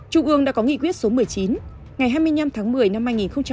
trung ương đã có nghị quyết số một mươi chín ngày hai mươi năm tháng một mươi năm hai nghìn một mươi chín